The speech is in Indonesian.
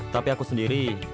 tapi aku sendiri